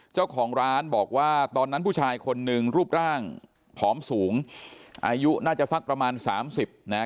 เจ้าของร้านบอกว่าตอนนั้นผู้ชายคนหนึ่งรูปร่างผอมสูงอายุน่าจะสักประมาณสามสิบนะฮะ